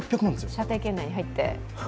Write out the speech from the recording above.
射程圏内に入ってる？